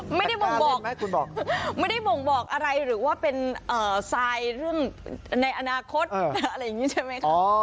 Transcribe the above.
ไม่ได้บ่งบอกไม่ได้บ่งบอกอะไรหรือว่าเป็นเอ่อในอนาคตอะไรอย่างงี้ใช่ไหมครับ